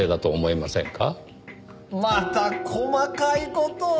また細かい事を。